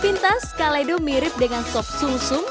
sepintas kale do mirip dengan sop sungsung